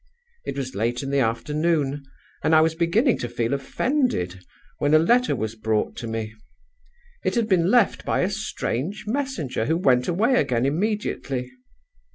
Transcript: It was late in the afternoon, and I was beginning to feel offended, when a letter was brought to me. It had been left by a strange messenger who went away again immediately.